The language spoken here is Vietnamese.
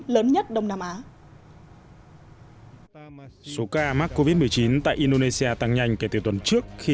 lớn nhất đông nam á số ca mắc covid một mươi chín tại indonesia tăng nhanh kể từ tuần trước khi